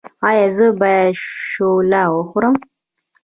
ایا زه باید شوله وخورم؟